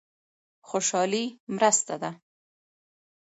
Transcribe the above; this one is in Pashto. خوشالي مرسته ده.